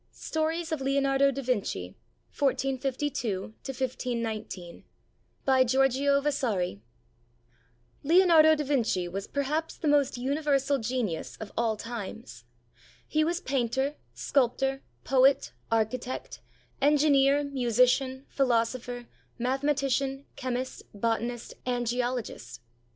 STORIES OF LEONARDO DA VINCI 11452 1519] BY GIORGIO VASARI [Leonardo da Vinci was perhaps the most universal genius of all times. He was painter, sculptor, poet, architect, en gineer, musician, philosopher, mathematician, chemist, botanist, and geologist.